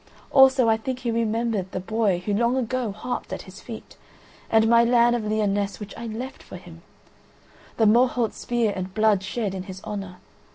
Also I think he remembered the boy who long ago harped at his feet, and my land of Lyonesse which I left for him; the Morholt's spear and blood shed in his honour.